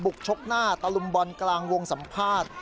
กชกหน้าตะลุมบอลกลางวงสัมภาษณ์